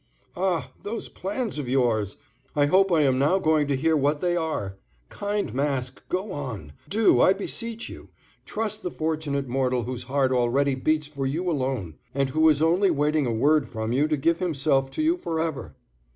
"Ah, those plans of yours! I hope I am now going to hear what they are. Kind Mask, go on; do, I beseech you, trust the fortunate mortal whose heart already beats for you alone, and who is only waiting a word from you to give himself to you forever."